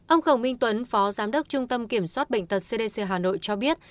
ông khổng minh tuấn phó giám đốc trung tâm kiểm soát bệnh tật cdc hà nội cho biết